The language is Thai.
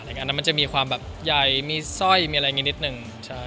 แล้วมันจะมีความแบบใหญ่มีสร้อยมีอะไรแบบนี้นิดหนึ่ง